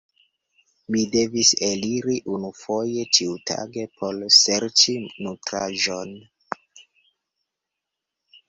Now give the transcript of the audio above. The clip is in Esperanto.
Mi devis eliri unufoje ĉiutage por serĉi nutraĵon.